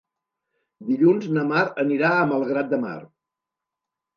Dilluns na Mar anirà a Malgrat de Mar.